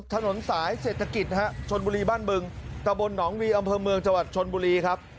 ถนนสายเศรษฐกิจฮะชนบุรีบ้านบึงตะบนหนองวีอำเภอเมืองจังหวัดชนบุรีครับ